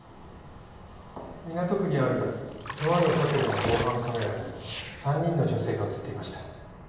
港区にあるとあるホテルの防犯カメラに３人の女性が映っていました。